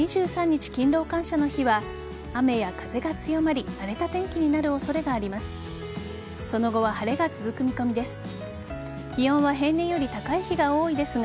２３日、勤労感謝の日は雨や風が強まり荒れた天気になる恐れがあります。